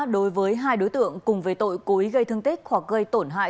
đối với hai đối tượng cùng về tội cố ý gây thương tích hoặc gây tổn hại